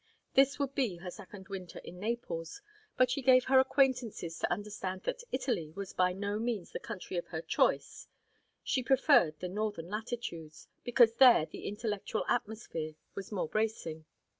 This would be her second winter at Naples, but she gave her acquaintances to understand that Italy was by no means the country of her choice; she preferred the northern latitudes, because there the intellectual atmosphere was more bracing.